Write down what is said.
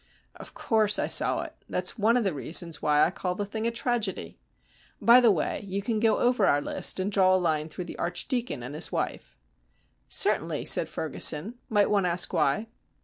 "Of course I saw it. That's one of the reasons why I call the thing a tragedy. By the way, you can go over our list and draw a line through the Archdeacon and his wife." "Certainly," said Ferguson. "Might one ask why?"